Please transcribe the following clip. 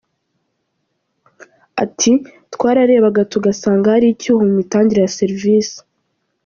Ati “Twararebaga tugasanga hari icyuho mu mitangire ya serivisi.